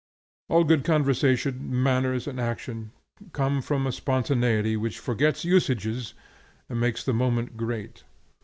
All good conversation, manners, and action, come from a spontaneity which forgets usages and makes the moment great.